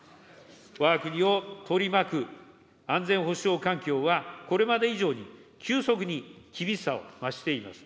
わが国を取り巻く安全保障環境は、これまで以上に急速に厳しさを増しています。